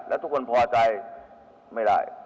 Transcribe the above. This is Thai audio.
แล้วทุกคนพอใจไม่ได้